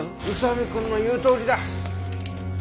宇佐見くんの言うとおりだ。